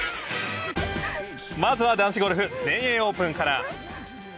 まずは男子ゴルフ全英オープンから。